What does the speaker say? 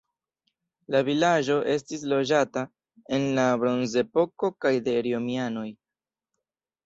La vilaĝo estis loĝata en la bronzepoko kaj de romianoj.